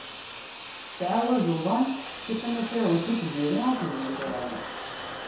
Tettɛawaz uḍan tḥekku tamacahut-is i tziri akked yitran.